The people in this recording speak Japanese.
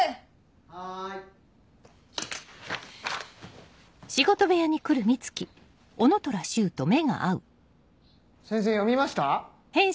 ・はい・先生読みました？